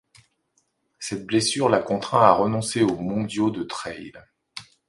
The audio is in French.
Cette blessure la contraint à renoncer au mondiaux de trail.